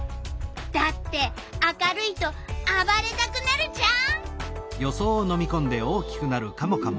だって明るいとあばれたくなるじゃん。